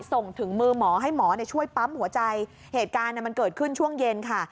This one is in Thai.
ส่งถึงมือหมอให้หมอช่วยปั๊มหัวใจเหตุการณ์มันเกิดขึ้นช่วงเย็นค่ะ